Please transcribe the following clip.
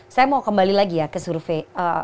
saya mau kembali lagi ya ke survei